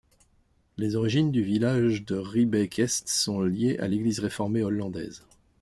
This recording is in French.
Les origines du village de Riebeeck Est sont liées à l'église réformée hollandaise.